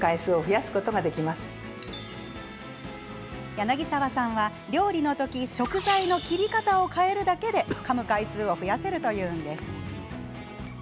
柳澤さんは料理の時食材の切り方を変えるだけでかむ回数を増やせるというんです。